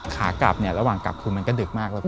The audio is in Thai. ขากลับระหว่างกลับคลุมมันก็ดึกมากแล้วกี่